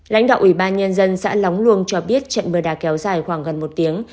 lãnh đạo ủy ban nhân dân xã lóng luông cho biết trận mưa đá kéo dài khoảng gần một tiếng